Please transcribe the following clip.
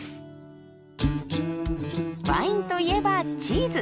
ワインといえばチーズ。